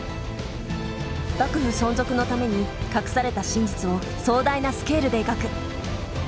幕府存続のために隠された真実を壮大なスケールで描く。